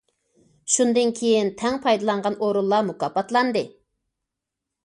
شۇندىن كېيىن تەڭ پايدىلانغان ئورۇنلار مۇكاپاتلاندى!